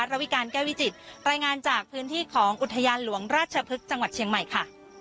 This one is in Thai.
ระวิการแก้วิจิตรายงานจากพื้นที่ของอุทยานหลวงราชพฤกษ์จังหวัดเชียงใหม่ค่ะ